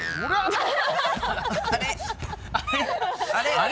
あれ？